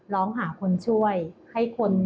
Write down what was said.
ร้องหาคนช่วยให้คน